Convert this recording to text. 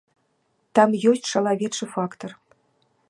Там ёсць чалавечы фактар.